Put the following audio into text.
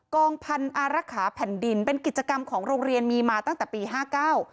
กองพันธุ์อารักษาแผ่นดินเป็นกิจกรรมของโรงเรียนมีมาตั้งแต่ปีห้าเก้า